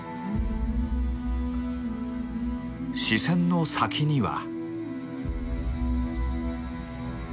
視線の先には。